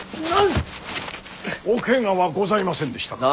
おケガはございませんでしたか。